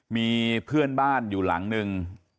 มีเพื่อนบ้านอยู่หลังนึง